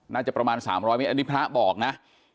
น่าจะประมาณ๓๐๐เมตรอันนี้พระบอกนะ